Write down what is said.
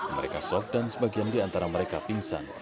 mereka sob dan sebagian diantara mereka pingsan